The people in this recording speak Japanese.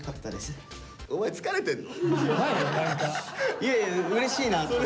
いやいやうれしいなって。